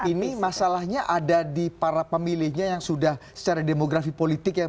ini masalahnya ada di para pemilihnya yang sudah secara demografi politik ya